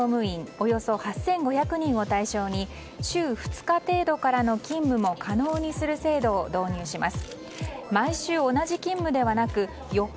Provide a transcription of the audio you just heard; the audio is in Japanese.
およそ８５００人を対象に週２日程度からの勤務も可能にする制度を導入します。